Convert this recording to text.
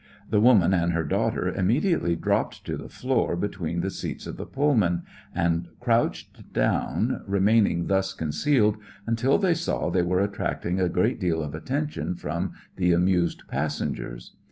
The woman and her daughter immediately dropped to the floor between the 125 i ^collections of a seats of the Pullman, and crouched down, re maining thus concealed until they saw they were attracting a great deal of attention from the amused passengers.